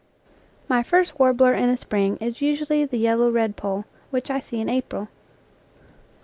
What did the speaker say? My first warbler in the spring is usually the yel low redpoll, which I see in April.